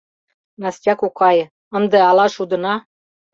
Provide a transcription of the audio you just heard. — Настя кокай, ынде ала шудына?